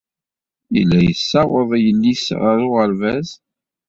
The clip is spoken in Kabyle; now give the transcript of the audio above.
Yella yessawaḍ yelli-s ɣer uɣerbaz.